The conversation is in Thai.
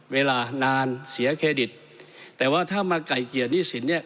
เวลานานเสียเครดิตแต่ว่าถ้ามาไก่เกลียดหนี้สินเนี่ย